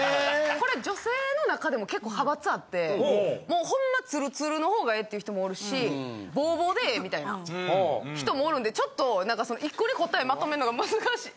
これ女性の中でも結構派閥あってもうホンマツルツルの方がええっていう人もおるしボーボーでええみたいな人もおるんでちょっとなんか１個に答えまとめんのが難しい。